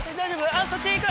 あっそっち行く。